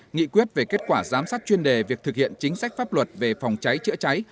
nghị quyết về kết quả giám sát chuyên đề việc thực hiện chính sách pháp luật về phòng cháy chữa cháy